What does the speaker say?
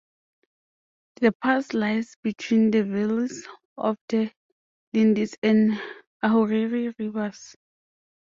The pass lies between the valleys of the Lindis and Ahuriri Rivers.